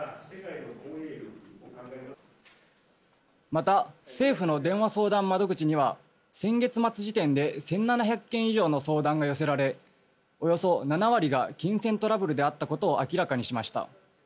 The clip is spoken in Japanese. また政府の電話相談窓口には先月末時点で１７００件以上の相談が寄せられおよそ７割が金銭トラブルであったことを明らかにしました。